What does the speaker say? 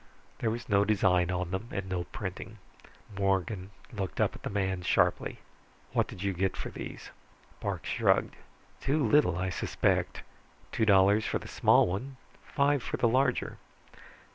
There was no design on them, and no printing. Morgan looked up at the man sharply. "What did you get for these?" Parks shrugged. "Too little, I suspect. Two dollars for the small one, five for the larger."